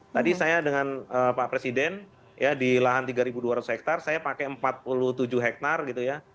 tadi saya dengan pak presiden ya di lahan tiga dua ratus hektare saya pakai empat puluh tujuh hektare gitu ya